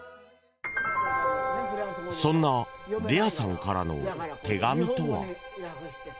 そんなレアさんからの手紙とは。